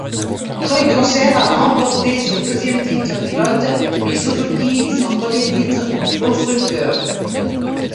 Troy Corser a remporté son deuxième titre pilote et Suzuki son premier titre constructeur.